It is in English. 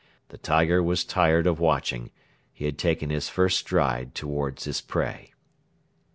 The tiger was tired of watching: he had taken his first stride towards his prey.